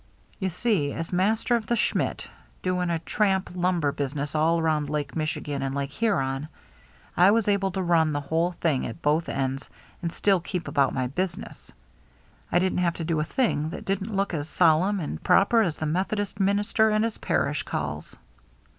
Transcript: You see, as master of the Schmidt y doing a tramp lumber business all around Lake Michigan and Lake Huron, I was able to run the whole thing at both ends and still keep about my business. I didn't have to use the mails — I didn't have to do a thing that didn't look as solemn and proper as the Methodist minister and his parish calls."